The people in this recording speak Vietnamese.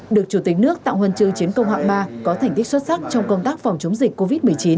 được chủ tịch nước tặng huân chương chiến công hạng ba có thành tích xuất sắc trong công tác phòng chống dịch covid một mươi chín